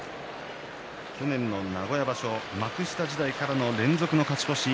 去年の名古屋場所幕下時代から連続勝ち越し。